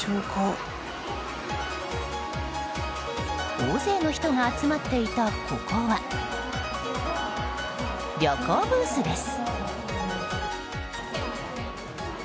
大勢の人が集まっていたここは旅行ブースです。